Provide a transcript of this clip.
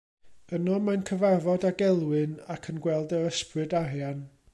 Yno mae'n cyfarfod ag Elwyn ac yn gweld yr Ysbryd Arian.